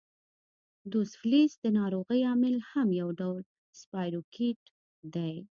دوسفلیس د ناروغۍ عامل هم یو ډول سپایروکیټ دی.